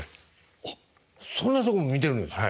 あっそんなとこも見てるんですか？